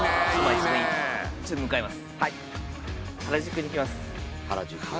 ちょっと向かいます。